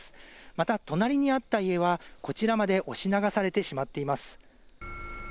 また、隣にあった家は、こちらまで押し流されてしまっています。